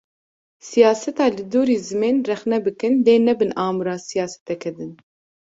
Siyaseta li dûrî zimên rexne bikin lê nebin amûra siyaseteke din.